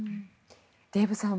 デーブさん